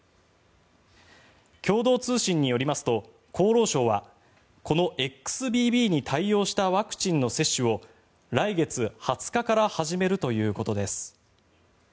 共同通信によりますと厚労省はこのＸＢＢに対応したワクチンの接種を来月２０日から始めるということです。